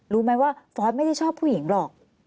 รู้ไหมว่าฟอร์สไม่ได้ชอบผู้หญิงหรอก